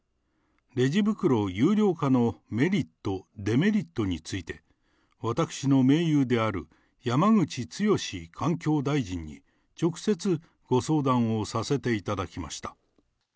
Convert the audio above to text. レジ袋有料化のメリット、デメリットについて、私の盟友である山口壮環境大臣に直接、ご相談をさせていただきました。